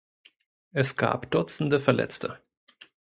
Es gab Dutzende Verletzte.